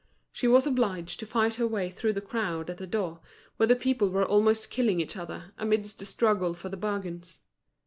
She was obliged to fight her way through the crowd at the door, where the people were almost killing each other, amidst the struggle for the bargains.